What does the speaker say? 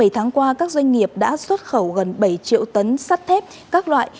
bảy tháng qua các doanh nghiệp đã xuất khẩu gần bảy triệu tấn sắt thép các loại